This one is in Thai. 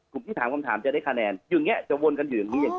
คุณที่ถามคำถามจะได้คะแนนอย่างนี้จะวนกันอย่างนี้